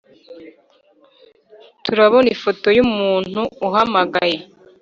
turabona ifoto yumuntu uhamagaye;